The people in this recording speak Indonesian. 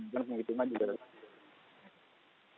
dan penghitungan juga rendah